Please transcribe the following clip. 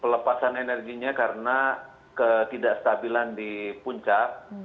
pelepasan energinya karena ketidakstabilan di puncak